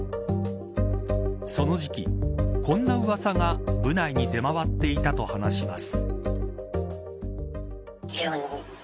その時期こんなうわさが部内に出回っていたと話します。